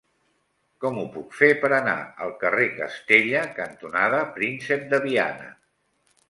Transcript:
Com ho puc fer per anar al carrer Castella cantonada Príncep de Viana?